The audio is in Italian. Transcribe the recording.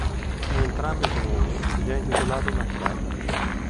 In entrambi comuni gli è intitolata una strada.